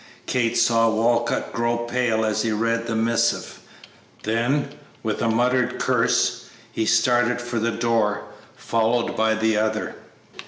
Kate saw Walcott grow pale as he read the missive, then, with a muttered curse, he started for the door, followed by the other.